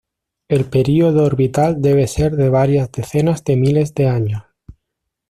El período orbital debe ser de varias decenas de miles de años.